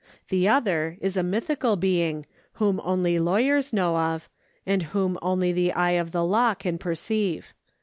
The other is a mythical being whom only lawyers know of, and whom only the eye of the law can perceive.